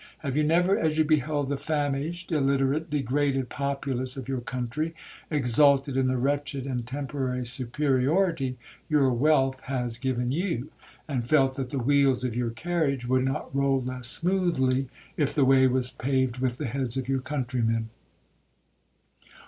—Have you never, as you beheld the famished, illiterate, degraded populace of your country, exulted in the wretched and temporary superiority your wealth has given you,—and felt that the wheels of your carriage would not roll less smoothly if the way was paved with the heads of your countrymen?